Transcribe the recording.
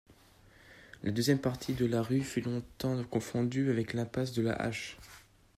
La deuxième partie de la rue fut longtemps confondue avec l'impasse de la Hache.